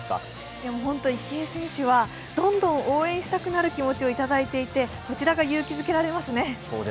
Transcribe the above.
池江選手は、どんどん応援したくなる気持ちをいただいていて、こちらが勇気づけられますね。